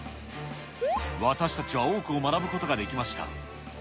私たちは多くを学ぶことができました。